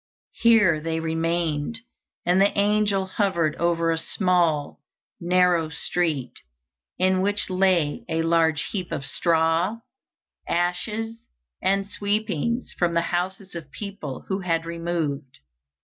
Here they remained, and the angel hovered over a small, narrow street, in which lay a large heap of straw, ashes, and sweepings from the houses of people who had removed.